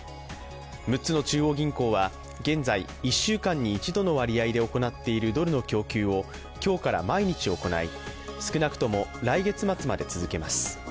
６つの中央銀行は現在、１週間に一度の割合で行っているドルの供給を今日から毎日行い、少なくとも来月末まで続けます。